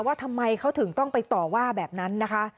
ว่าทำไมเขาถึงต้องไปต่อว่าแบบนั้นนะคะ